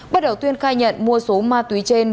bắt đầu tuyên khai nhận mua số ma túy trên